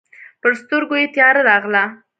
پر سترګو یې تياره راغله.